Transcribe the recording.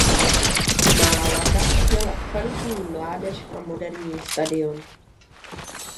Málaga měla kvalitní mládež a moderní stadión.